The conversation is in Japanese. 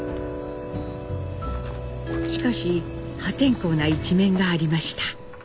しかし破天荒な一面がありました。